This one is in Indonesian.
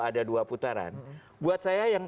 ada dua putaran buat saya yang